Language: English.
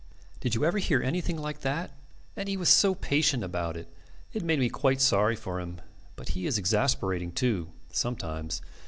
"Did you ever hear anything like that? And he was so patient about it. It made me quite sorry for him. But he is exasperating, too, sometimes.